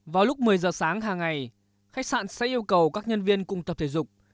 vào lúc một mươi giờ sáng hàng ngày khách sạn sẽ yêu cầu các nhân viên cùng tập thể dục